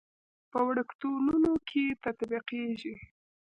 په وړکتونونو کې تطبیقېږي.